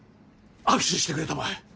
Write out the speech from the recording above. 握手してくれたまえ。